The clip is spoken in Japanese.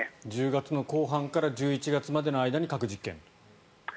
１０月後半から１１月までの間に核実験。